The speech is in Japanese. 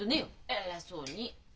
偉そうに！